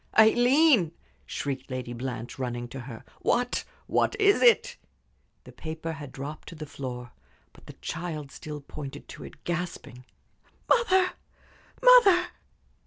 "Aileen!" shrieked Lady Blanche, running to her. "What what is it?" The paper had dropped to the floor, but the child still pointed to it, gasping. "Mother mother!"